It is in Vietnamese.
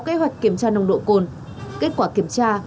kế hoạch kiểm tra nồng độ cồn kết quả kiểm tra